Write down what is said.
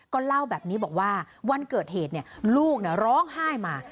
ก็เล่าแบบนี้บอกว่าวันเกิดเหตุลูกร้องไห้มา